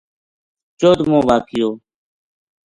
چودھمو واقعو